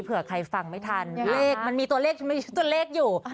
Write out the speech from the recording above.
เผื่อถ้าใครฟังไม่ทันมันมีตัวเลขอยู่